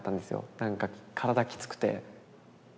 なんか体きつくて。